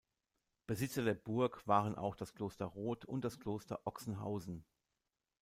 Besitzer der Burg waren auch das Kloster Rot und das Kloster Ochsenhausen.